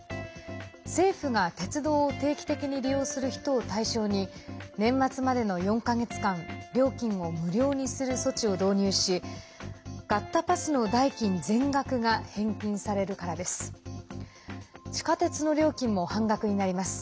政府が鉄道を定期的に利用する人を対象に年末までの４か月間料金を無料にする措置を導入し買ったパスの代金全額が返金されるからです。